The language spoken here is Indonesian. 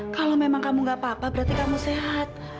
kalau memang kamu gak apa apa berarti kamu sehat